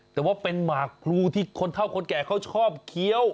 แต่ว่าเป็นหมากพลูที่คนเท่าคนแก่เขาชอบเคี้ยว